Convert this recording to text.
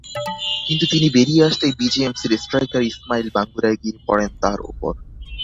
কিন্তু তিনি বেরিয়ে আসতেই বিজেএমসির স্ট্রাইকার ইসমাইল বাঙ্গুরা গিয়ে পড়েন তাঁর ওপর।